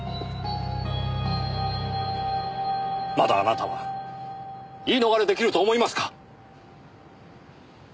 まだあなたは言い逃れ出来ると思いますか？